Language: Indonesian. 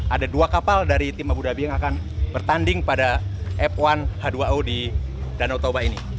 ada dua kapal dari tim abu dhabi yang akan bertanding pada f satu h dua o di danau toba ini